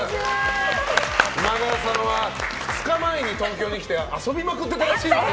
今川さんは２日前に東京に来て遊びまくってたらしいですよ。